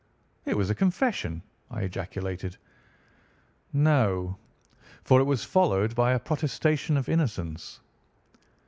"It was a confession," I ejaculated. "No, for it was followed by a protestation of innocence."